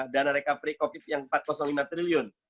dana reka pre covid yang empat ratus lima triliun